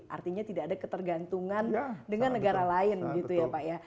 artinya tidak ada ketergantungan dengan negara lain gitu ya pak ya